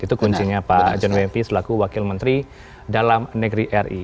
itu kuncinya pak john wempi selaku wakil menteri dalam negeri ri